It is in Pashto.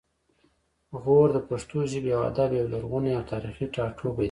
غور د پښتو ژبې او ادب یو لرغونی او تاریخي ټاټوبی دی